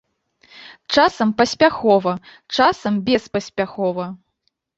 Часам паспяхова, часам беспаспяхова.